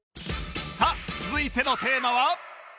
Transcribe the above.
さあ続いてのテーマは